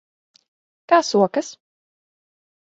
Kā sokas?